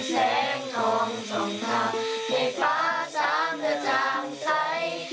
แสงทองช่องทาให้ฟ้าสามเจ้าจางใส